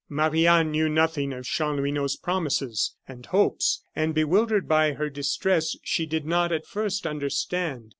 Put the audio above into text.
Marie Anne knew nothing of Chanlouineau's promises and hopes, and bewildered by her distress, she did not at first understand.